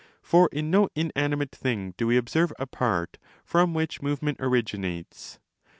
For in no inanimate thing do we observe a part from which movement originates.